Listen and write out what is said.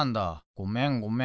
ごめんごめん。